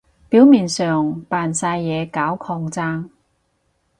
表面上扮晒嘢搞抗爭